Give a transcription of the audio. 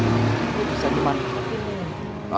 itu bisa dimana